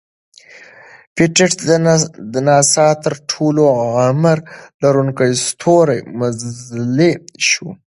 پېټټ د ناسا تر ټولو عمر لرونکی ستور مزلی شو.